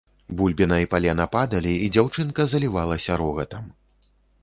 Бульбіна і палена падалі, і дзяўчынка залівалася рогатам.